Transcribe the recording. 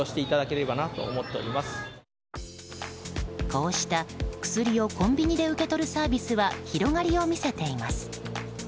こうした、薬をコンビニで受け取るサービスは広がりを見せています。